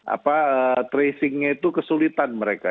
apa tracingnya itu kesulitan mereka